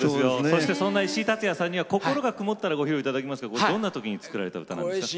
そしてそんな石井竜也さんには「心が曇ったら」をご披露頂きますけどどんな時に作られた歌なんですか。